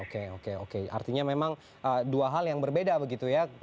oke oke oke artinya memang dua hal yang berbeda begitu ya